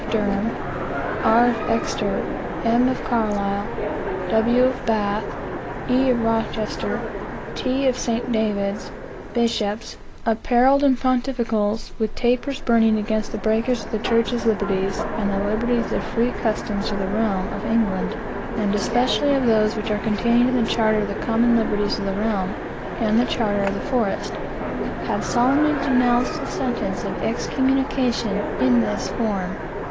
of Durham, R. of Exeter, M. of Carlisle, W. of Bath, E. of Rochester, T. of Saint David's, Bishops, appareled in Pontificals, with tapers burning, against the breakers of the Church's Liberties, and of the Liberties or free customs of the Realm of England, and especially of those which are contained in the Charter of the Common Liberties of the Realm, and the Charter of the Forest, have solemnly denounced the sentence of Excommunication in this form.